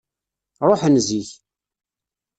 Ṛuḥen zik.